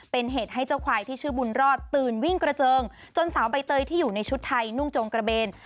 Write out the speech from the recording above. เป็นเหตุให้เจ้าควายที่ชื่อบุญรอดตื่นวิ่งกระเจิงจนสาวใบเตยที่อยู่ในชุดไทยนุ่งจงกระเบน